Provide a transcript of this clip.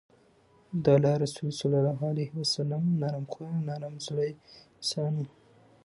د الله رسول صلی الله عليه وسلّم نرم خويه، نرم زړی انسان وو